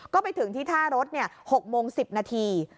ก็ไปถึงที่ท่ารถ๖โมง๑๐นาที